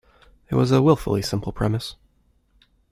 It was a wilfully simple premise.